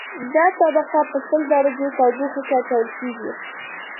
دا طبقه په سل درجو تودوخه کې اچول کیږي